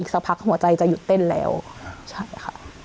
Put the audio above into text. สักพักหัวใจจะหยุดเต้นแล้วใช่ค่ะ